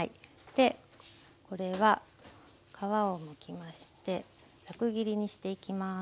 これは皮をむきましてザク切りにしていきます。